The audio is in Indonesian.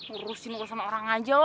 urusin gitu sama orang aja lu